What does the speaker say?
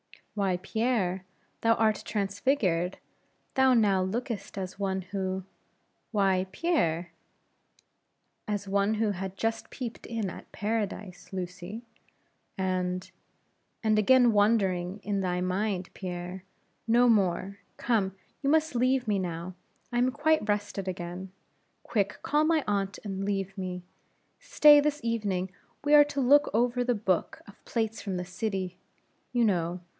"Why, Pierre, thou art transfigured; thou now lookest as one who why, Pierre?" "As one who had just peeped in at paradise, Lucy; and " "Again wandering in thy mind, Pierre; no more Come, you must leave me, now. I am quite rested again. Quick, call my aunt, and leave me. Stay, this evening we are to look over the book of plates from the city, you know.